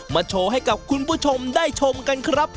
โชว์ให้กับคุณผู้ชมได้ชมกันครับ